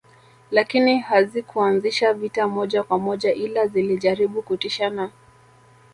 Lakini hazikuanzisha vita moja kwa moja ila zilijaribu kutishana